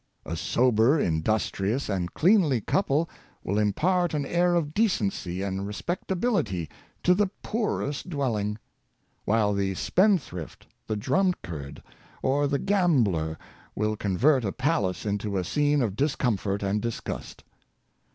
A sober, industri ous, and cleanly couple will impart an air of decency and respectability to the poorest dwelling; while the spendthrift, the drunkard, or the gambler will convert a palace into a scene of discomfort and disgust.